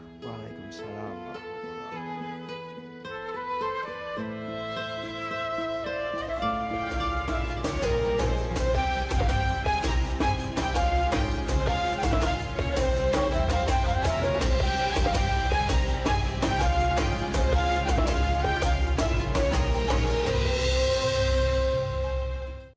waalaikumsalam warahmatullah wabarakatuh